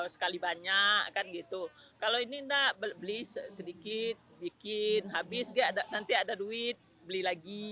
sekali banyak kan gitu kalau ini enggak beli sedikit bikin habis nanti ada duit beli lagi